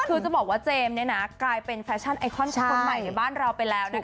คือจะบอกว่าเจมส์เนี่ยนะกลายเป็นแฟชั่นไอคอนคนใหม่ในบ้านเราไปแล้วนะคะ